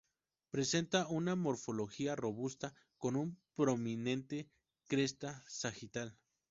Presenta una morfología robusta, con una prominente cresta sagital.